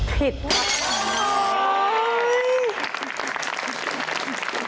ผิดครับ